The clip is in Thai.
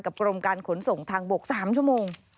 กรมการขนส่งทางบก๓ชั่วโมง